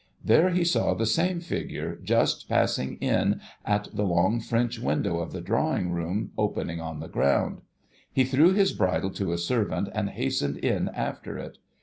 There, he saw the same figure, just passing in at the long French window of the drawing room, opening on the ground. He threw his bridle to a servant, and hastened in after it.